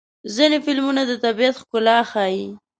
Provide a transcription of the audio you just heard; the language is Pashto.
ځینې فلمونه د طبیعت ښکلا ښيي.